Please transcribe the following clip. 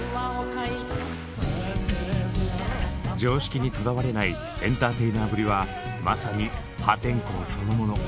常識にとらわれないエンターテイナーぶりはまさに破天荒そのもの。